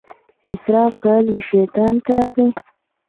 اسراف کول د شیطان کار دی.